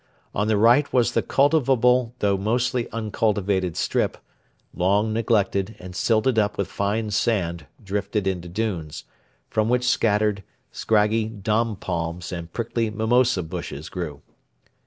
On the right was the cultivable though mostly uncultivated strip, long neglected and silted up with fine sand drifted into dunes, from which scattered, scraggy dom palms and prickly mimosa bushes grew.